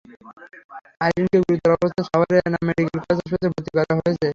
আইরিনকে গুরুতর অবস্থায় সাভারের এনাম মেডিকেল কলেজ হাসপাতালে ভর্তি করা হয়েছে।